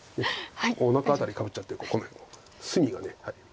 おなか辺りかぶっちゃってここが隅が。